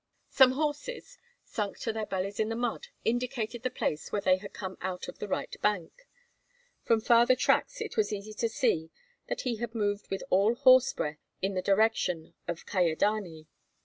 Some horses, sunk to their bellies in the mud, indicated the place where he had come out on the right bank. From farther tracks it was easy to see that he had moved with all horse breath in the direction of Kyedani.